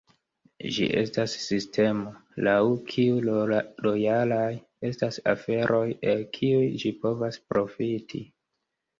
Ĝi estas sistemo, laŭ kiu lojalaj estas aferoj el kiuj ĝi povas profiti.